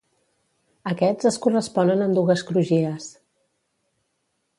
Aquests es corresponen amb dues crugies.